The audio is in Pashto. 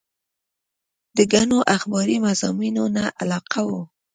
د ګڼو اخباري مضامينو نه علاوه